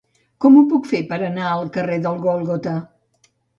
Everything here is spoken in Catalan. Com ho puc fer per anar al carrer del Gòlgota?